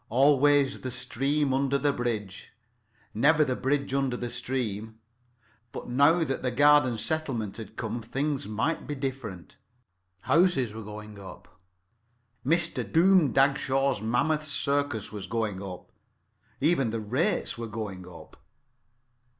Always the stream under the bridge. Never the bridge under the stream. But now that the Garden Settlement had come things might be very different. Houses were going up; Mr. Doom Dagshaw's Mammoth Circus was going up; even the rates were going up.